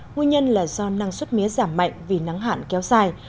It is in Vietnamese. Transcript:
nguyên nhân là do năng suất mía giảm mạnh vì nắng hạn kéo dài